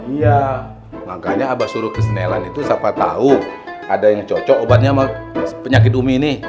iya makanya abah suruh ke senelan itu siapa tahu ada yang cocok obatnya sama penyakit umi ini